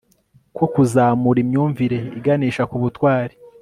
ko kuzamura imyumvire iganisha ku butwari